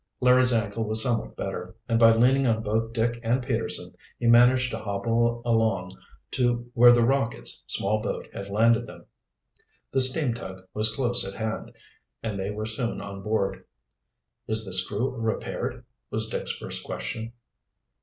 Larry's ankle was somewhat better, and by leaning on both Dick and Peterson he managed to hobble along to where the Rocket's small boat had landed them. The steam tug was close at hand, and they were soon on board. "Is the screw repaired?" was Dick's first question.